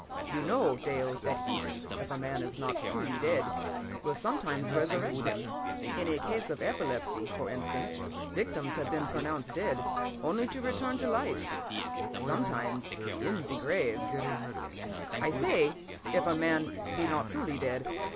You know, Dale, that heat, if a man is not truly dead, will sometimes resurrect him. In a case of epilepsy, for instance, victims have been pronounced dead only to return to life—sometimes in the grave. "I say 'if a man be not truly dead.'